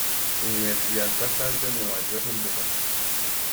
Universidad Estatal de Nueva York en Búfalo.